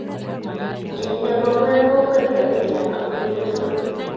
Kinde mauwek kokwet kanisa amu ki krismas